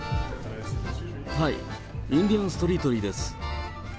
はい、インディアン・ストリートリーです。